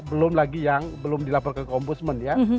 belum lagi yang belum dilaporkan ke ombudsman ya